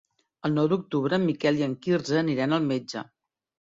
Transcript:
El nou d'octubre en Miquel i en Quirze aniran al metge.